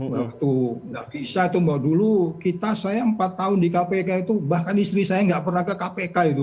waktu nggak bisa itu mbak dulu kita saya empat tahun di kpk itu bahkan istri saya nggak pernah ke kpk itu